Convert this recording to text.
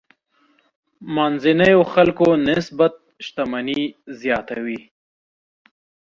منځنيو خلکو نسبت شتمني زیاته وي.